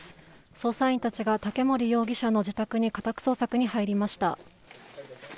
捜査員たちが、竹森容疑者の自宅に家宅捜索に入りました。